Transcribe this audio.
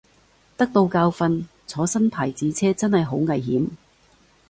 得到教訓，坐新牌子車真係好危險